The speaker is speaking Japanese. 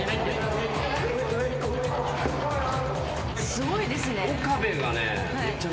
すごいですね。